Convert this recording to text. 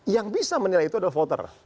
yang bisa menilai itu adalah voter